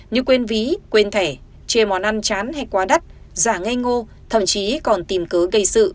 như quên ví quên thẻ chê món ăn chán hay quá đắt giả ngay ngô thậm chí còn tìm tớ gây sự